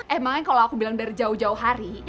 emangnya kalau aku bilang dari jauh jauh hari